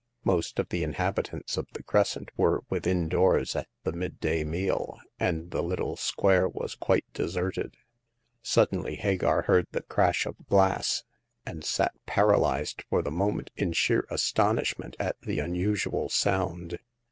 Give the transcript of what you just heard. Most of the inhabitants of the Crescent were within doors at the midday meal, and the little square was quite deserted. Sud denly Hagar heard the crash of glass, and sat paralyzed for the moment in sheer astonishment at the unusual sound.